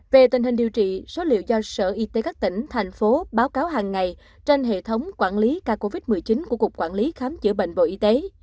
về tình hình điều trị số liệu do sở y tế các tỉnh thành phố báo cáo hàng ngày trên hệ thống quản lý ca covid một mươi chín của cục quản lý khám chữa bệnh bộ y tế